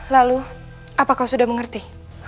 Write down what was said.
lalu apa kau sudah mengerti